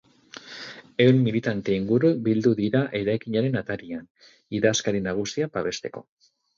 Ehun militante inguru bildu dira eraikinaren atarian, idazkari nagusia babesteko.